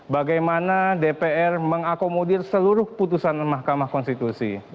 bagaimana dpr mengakomodir seluruh putusan mahkamah konstitusi